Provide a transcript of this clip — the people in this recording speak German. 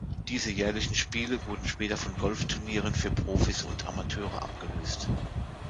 Diese jährlichen Spiele wurden später von Golf-Turnieren für Profis und Amateure abgelöst.